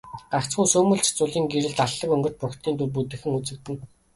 Гагцхүү сүүмэлзэх зулын гэрэлд алтлаг өнгөт бурхдын дүр бүдэгхэн үзэгдэнэ.